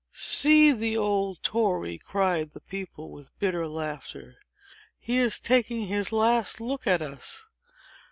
"See the old tory!" cried the people, with bitter laughter. "He is taking his last look at us.